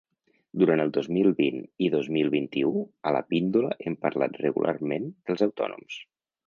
Durant el dos mil vint i dos mil vint-i-u, a la píndola hem parlat regularment dels autònoms.